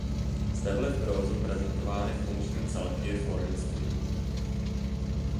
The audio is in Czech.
Zde byly v provozu prezentovány funkční celky v hornictví.